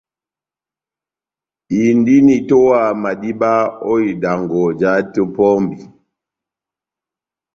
Indini itowaha madíba ó idangɔ, jahate ó pɔmbi.